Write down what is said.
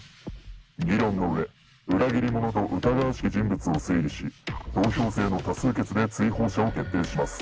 議論の上裏切り者と疑わしき人物を推理し投票制の多数決で追放者を決定します。